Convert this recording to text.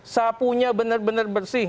sapunya benar benar bersih